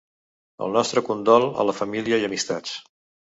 El nostre condol a la família i amistats.